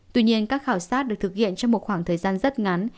tuy nhiên các khảo sát được thực hiện trong một khoảng thời gian rất ngắn